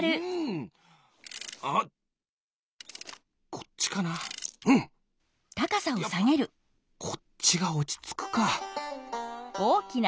やっぱこっちがおちつくか。